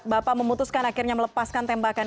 bapak memutuskan akhirnya melepaskan tembakan